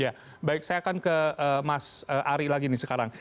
ya baik saya akan ke mas ari lagi nih sekarang